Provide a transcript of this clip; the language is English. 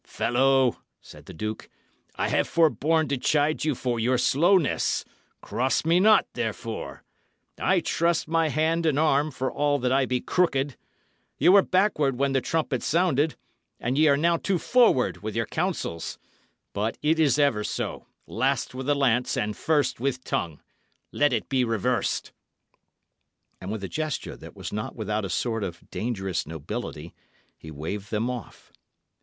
"Fellow," said the duke, "I have forborne to chide you for your slowness. Cross me not, therefore. I trust my hand and arm, for all that I be crooked. Ye were backward when the trumpet sounded; and ye are now too forward with your counsels. But it is ever so; last with the lance and first with tongue. Let it be reversed." And with a gesture that was not without a sort of dangerous nobility, he waved them off.